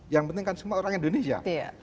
yang penting kan semua orang indonesia